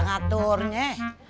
kongsi itu menojok ya